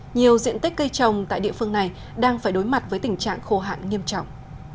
nhiều diện tích cây trồng tại địa phương này đang phải đối mặt với tình trạng khô hạn nghiêm trọng